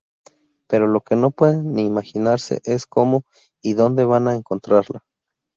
Pero, lo que no pueden ni imaginarse es cómo y dónde van a encontrarla.